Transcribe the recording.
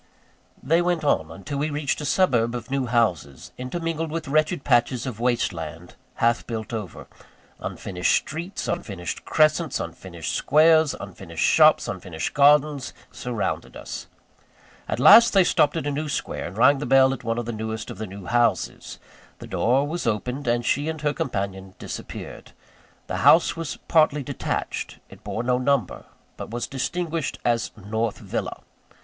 They went on, until we reached a suburb of new houses, intermingled with wretched patches of waste land, half built over. Unfinished streets, unfinished crescents, unfinished squares, unfinished shops, unfinished gardens, surrounded us. At last they stopped at a new square, and rang the bell at one of the newest of the new houses. The door was opened, and she and her companion disappeared. The house was partly detached. It bore no number; but was distinguished as North Villa.